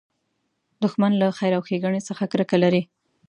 دښمن له خیر او ښېګڼې څخه کرکه لري